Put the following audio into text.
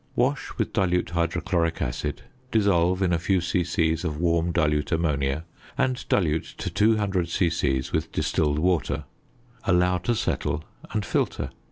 Wash with dilute hydrochloric acid, dissolve in a few c.c. of warm dilute ammonia, and dilute to 200 c.c. with distilled water; allow to settle, and filter.